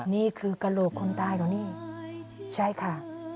นี่คือกระโหลกคนตายเหรอนี่ใช่ค่ะ